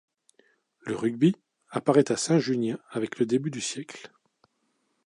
Le rugby apparaît à Saint –Junien avec le début du siècle.